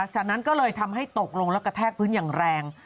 จากนั้นก็เลยทำให้ตกลงแล้วกระแทกพื้นอย่างแรง